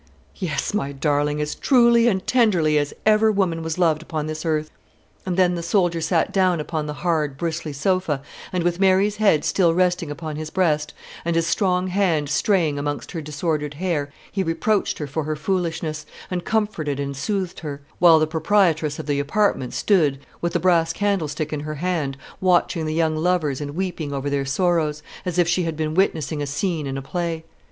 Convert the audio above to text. "Yes, my darling, as truly and tenderly as ever woman was loved upon this earth." And then the soldier sat down upon the hard bristly sofa, and with Mary's head still resting upon his breast, and his strong hand straying amongst her disordered hair, he reproached her for her foolishness, and comforted and soothed her; while the proprietress of the apartment stood, with the brass candlestick in her hand, watching the young lovers and weeping over their sorrows, as if she had been witnessing a scene in a play.